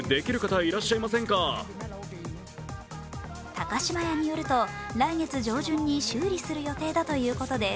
高島屋によると来月上旬に修理する予定だということです。